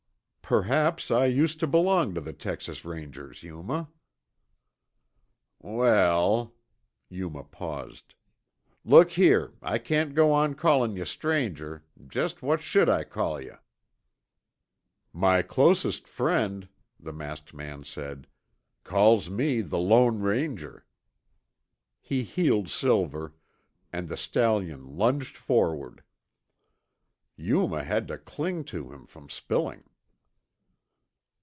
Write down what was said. "Perhaps I used to belong to the Texas Rangers, Yuma." "Well " Yuma paused. "Look here, I can't go on callin' yuh 'stranger'; jest what should I call yuh?" "My closest friend," the masked man said, "calls me 'The Lone Ranger.'" He heeled Silver, and the stallion lunged forward. Yuma had to cling to keep from spilling.